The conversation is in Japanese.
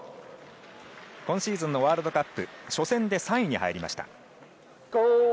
今シーズンのワールドカップ初戦で３位に入りました。